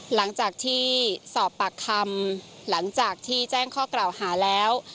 หลังจากที่สอบปากคำหลังจากที่แจ้งข้อกล่าวหาแล้ว